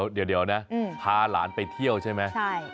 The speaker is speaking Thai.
เดี๋ยวนะพาหลานไปเที่ยวใช่ไหม